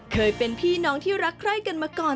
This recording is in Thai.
เคยเป็นพี่น้องที่รักใคร่กันมาก่อน